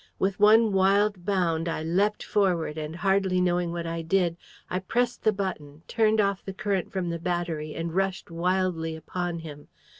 With one wild bound I leapt forward, and, hardly knowing what I did, I pressed the button, turned off the current from the battery, and rushed wildly upon him.